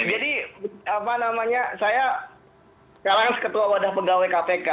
jadi apa namanya saya sekarang seketua wadah pegawai kpk